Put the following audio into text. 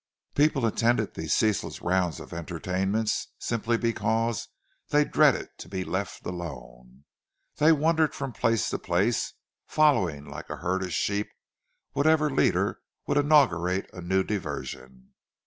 People attended these ceaseless rounds of entertainments, simply because they dreaded to be left alone. They wandered from place to place, following like a herd of sheep whatever leader would inaugurate a new diversion.